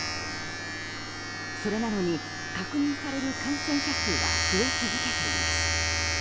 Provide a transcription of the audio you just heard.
それなのに、確認される感染者数は増え続けています。